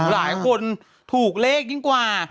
หลายคนถูกเลขยิ่งกว่า